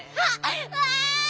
わい！